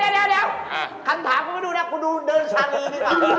คำถามก็ไม่ดูนะกูดูเดินชาลีด้วยค่ะ